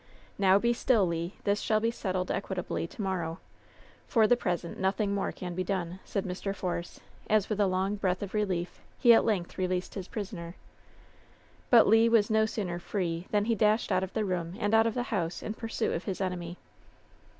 "Now be still, Le ! This shall be settled equitably to morrow. For the present nothing more can be done,'* said Mr. Force, as with a long breath of relief he at length released his prisoner. But Le was no sooner free than he dashed out of the room and out of the house in pursuit of his enemy.